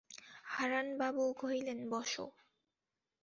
হারানবাবু কহিলেন, বসো।